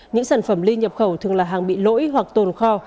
những sản phẩm ly nhập khẩu thường là hàng bị lỗi hoặc tồn kho